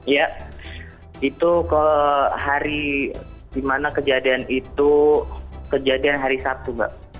ya itu ke hari di mana kejadian itu kejadian hari sabtu mbak